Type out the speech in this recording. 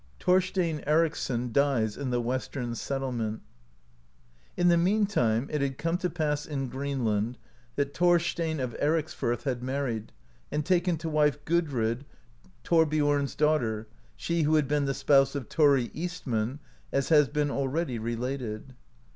THORSTHIN ERICSSON DIES IN THE WESTERN SETTI.EMENT, In the meantime it had come to pass in Greenland that Thorstein of Ericsfirth had married, and taken to wife Gudrid, Thorbiom's daughter, [she] who had been the spouse of Thori Eastman (69), as has been already re lated.